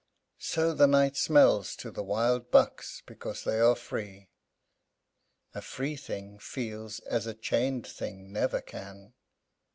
So the night smells to the wild bucks, because they are free! A free thing feels as a chained thing never can.